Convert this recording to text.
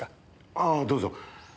ああどうぞ。